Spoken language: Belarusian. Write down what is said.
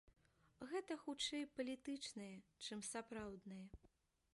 Гэта хутчэй палітычнае, чым сапраўднае.